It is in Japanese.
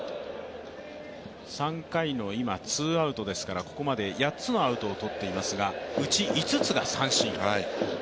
３回のツーアウトですからここまで８つのアウトを取っていますがうち５つが三振。